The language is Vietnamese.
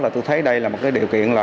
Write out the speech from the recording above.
tôi thấy đây là một điều kiện